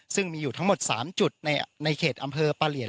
ซึ่งมีอยู่ทั้งหมด๓จุดในเขตอำเภอปะเหลียน